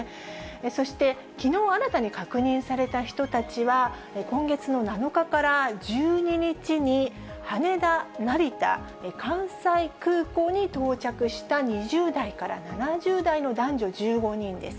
そして、きのう新たに確認された人たちは、今月の７日から１２日に羽田、成田、関西空港に到着した２０代から７０代の男女１５人です。